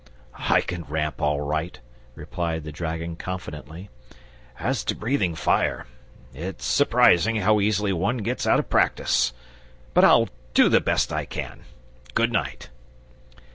"I can RAMP all right," replied the dragon, confidently; "as to breathing fire, it's surprising how easily one gets out of practice, but I'll do the best I can. Goodnight!"